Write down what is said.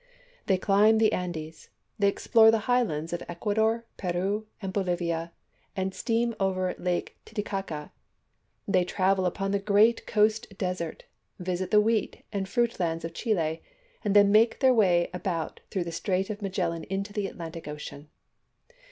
They climb the Andes; they explore the highlands of Ecuador, Peru, and Bolivia, and steam over Lake Titicaca. They travel upon the great coast desert, visit the wheat and fruit lands of Chile, and then make their way about through the Strait of Magellan into the Atlantic Ocean.